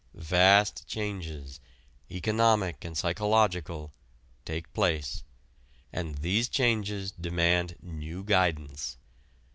Vast changes, economic and psychological, take place, and these changes demand new guidance.